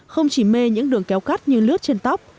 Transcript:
không chỉ mê những đường kéo cắt như lướt trên tóc